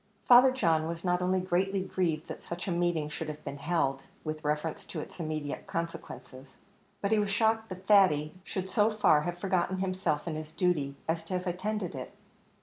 Father John was not only greatly grieved that such a meeting should have been held, with reference to its immediate consequences, but he was shocked that Thady should so far have forgotten himself and his duty as to have attended it.